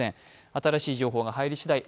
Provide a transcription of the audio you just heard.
新しい情報が入りしだい